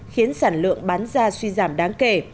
khiến sản lượng bán ra suy giảm đáng kể